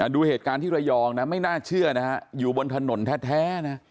ดูเหตุการณ์ที่ระยองนะไม่น่าเชื่อนะฮะอยู่บนถนนแท้นะ